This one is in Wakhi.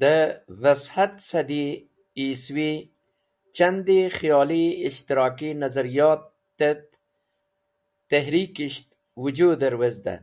De Dhas Hat Sadi Eiswi Chandi Khiyoli Ishtiraki Nazaryotet Tehrikisht wujuder wezde.